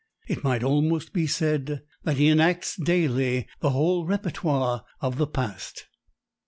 It might almost be said that he enacts daily the whole repertoire of the past.